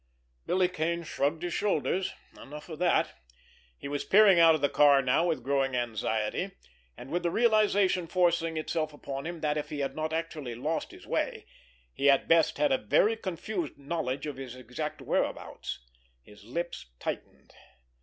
Billy Kane shrugged his shoulders. Enough of that! He was peering out of the car now with growing anxiety, and with the realization forcing itself upon him that, if he had not actually lost his way, he at best had a very confused knowledge of his exact whereabouts. His lips tightened.